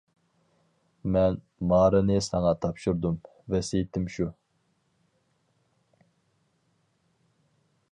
مەن مارىنى ساڭا تاپشۇردۇم، ۋەسىيىتىم شۇ!